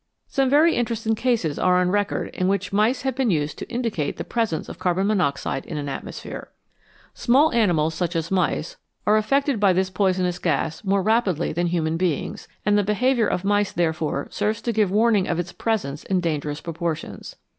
Some very interesting cases are on record in which mice have been used to indicate the presence of carbon mon oxide in an atmosphere. Small animals, such as mice, are 45 INVISIBLE SUBSTANCES affected by this poisonous gas more rapidly than human beings, and the behaviour of mice therefore serves to give warning of its presence in dangerous proportions.